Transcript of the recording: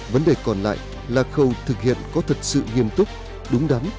vấn đề còn lại là khâu thực hiện có thật sự nghiêm túc đúng đắn